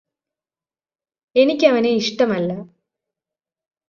എനിക്കവനെ ഇഷ്ടമല്ലാ